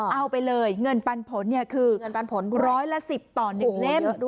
เอาไปเลยเงินปันผลคือร้อยละ๑๐ต่อ๑เล่ม